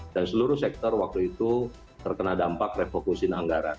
dan seluruh sektor waktu itu terkena dampak refokusin anggaran